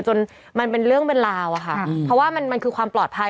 มันเป็นเรื่องเป็นราวอะค่ะเพราะว่ามันคือความปลอดภัย